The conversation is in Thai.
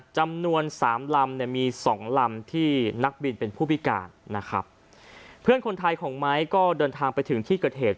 จำนวนสามลำเนี่ยมีสองลำที่นักบินเป็นผู้พิการนะครับเพื่อนคนไทยของไม้ก็เดินทางไปถึงที่เกิดเหตุ